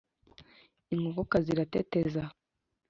inkokokazi irateteza